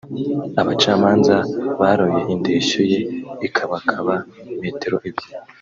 Abacamanza baroye indeshyo ye ikabakaba metero ebyiri